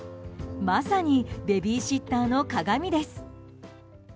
まさにベビーシッターの鏡です。